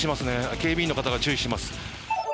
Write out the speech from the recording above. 警備員の方が注意してます。